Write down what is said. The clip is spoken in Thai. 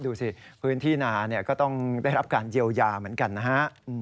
ดูสิพื้นที่นาก็ต้องได้รับการเยียวยาเหมือนกันนะฮะ